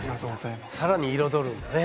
さらに彩るんだね。